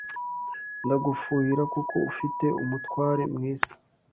Ndagufuhira kuko ufite umutware mwiza.